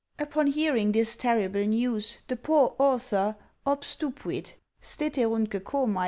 Upon hearing this terrible news, the poor author obstupult ; stetcruntque coma.